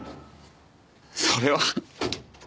それは。